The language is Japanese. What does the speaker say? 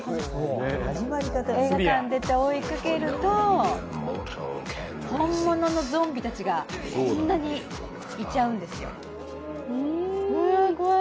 映画館、出て、追いかけると本物のゾンビたちがこんなに居ちゃうんですよ。